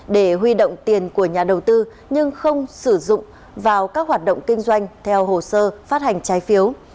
để huy động tiền của nhà đầu tư nhưng không sử dụng vào các hoạt động kinh doanh theo hồ sơ phát hành trái phiếu